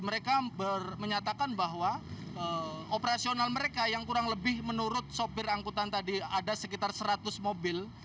mereka menyatakan bahwa operasional mereka yang kurang lebih menurut sopir angkutan tadi ada sekitar seratus mobil